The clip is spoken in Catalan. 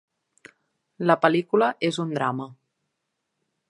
La pel·lícula és un drama.